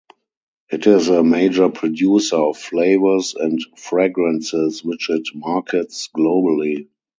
It is a major producer of flavors and fragrances which it markets globally.